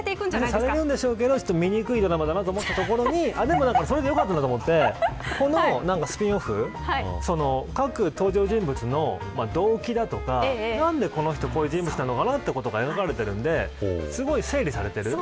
されるんですけど見にくいドラマと思ったところにそれがよかったなと思ってスピンオフ各登場人物の動機だとか何で、この人、こういう人物かが描かれているのですごく整理されている。